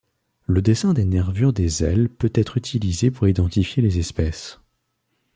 Le dessin des nervures des ailes peut être utilisé pour identifier les espèces.